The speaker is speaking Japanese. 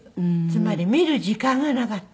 つまり見る時間がなかった。